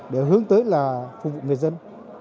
đều hướng tới là phục vụ người dân